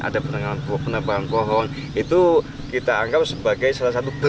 ada penambangan pohon itu kita anggap sebagai salah satu bentuk